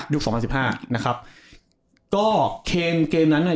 ยุค๒๐๑๕นะครับก็เคนเกมนั้น